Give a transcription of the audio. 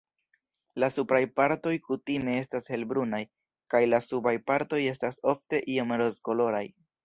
La supraj partoj kutime estas helbrunaj, kaj la subaj partoj estas ofte iom rozkoloraj.